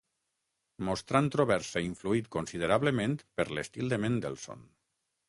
Mostrant trobar-se influït considerablement per l'estil de Mendelssohn.